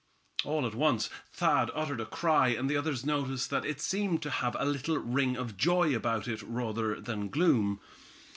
All at once Thad uttered a cry, and the others noticed that it seemed to have a little ring of joy about it, rather than gloom.